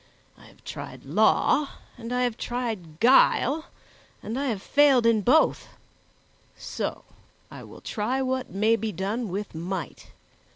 I have tried law, and I have tried guile, and I have failed in both; so I will try what may be done with might."